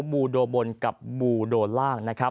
บูโดบนกับบูโดล่าง